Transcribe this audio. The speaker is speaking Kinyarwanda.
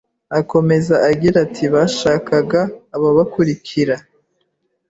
Akomeza agira ati Bashakaga ababakurikira